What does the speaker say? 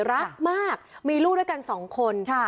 รักมากมีลูกด้วยกันสองคน